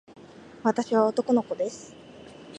私は男の子です。